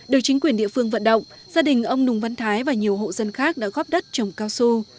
được chính quyền địa phương vận động gia đình ông nùng văn thái và nhiều hộ dân khác đã góp đất trồng cao su